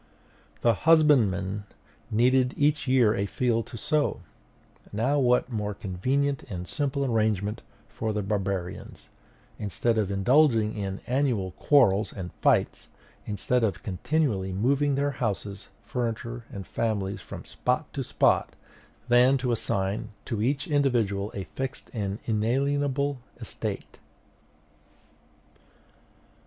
The husbandman needed each year a field to sow; what more convenient and simple arrangement for the barbarians, instead of indulging in annual quarrels and fights, instead of continually moving their houses, furniture, and families from spot to spot, than to assign to each individual a fixed and inalienable estate?